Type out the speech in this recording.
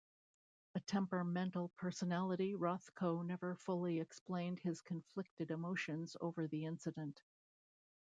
A temperamental personality, Rothko never fully explained his conflicted emotions over the incident.